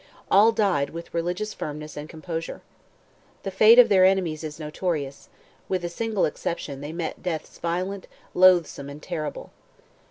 All died with religious firmness and composure. The fate of their enemies is notorious; with a single exception, they met deaths violent, loathsome, and terrible.